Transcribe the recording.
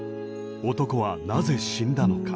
男はなぜ死んだのか。